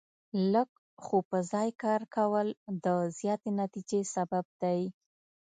لږ خو په ځای کار کول د زیاتې نتیجې سبب دی.